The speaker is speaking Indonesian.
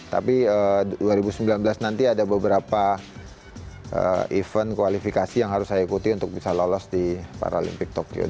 tapi dua ribu sembilan belas nanti ada beberapa event kualifikasi yang harus saya ikuti untuk bisa lolos di paralimpik tokyo